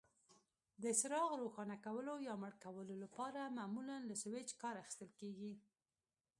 د څراغ روښانه کولو یا مړ کولو لپاره معمولا له سویچ کار اخیستل کېږي.